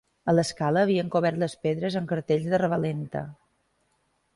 A l'escala, havien cobert les pedres am cartells de revalenta